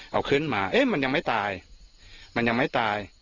เอาขึ้นมาเอ๊ะมันยังไม่ตาย